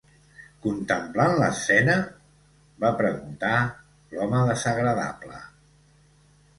"Contemplant l'escena?" -va preguntar l'home desagradable.